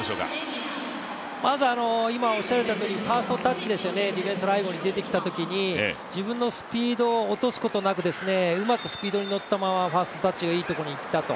今おっしゃられたように、ファーストタッチですよね、ディフェンスの背後に出てきたときに自分のスピードを落とすことなくうまくスピードに乗ったままファーストタッチがいいところに行ったと。